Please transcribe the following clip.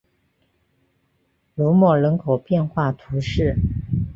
卢莫人口变化图示